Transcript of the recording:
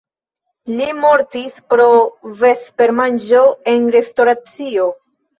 Li mortis pro vespermanĝo en restoracio.